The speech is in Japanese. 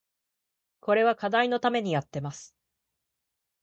これは課題のためにやってます